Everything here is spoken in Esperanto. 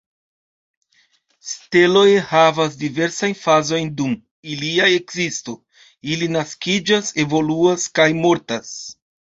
Steloj havas diversajn fazojn dum ilia ekzisto: ili naskiĝas, evoluas, kaj mortas.